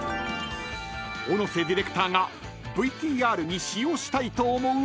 ［小野瀬ディレクターがＶＴＲに使用したいと思う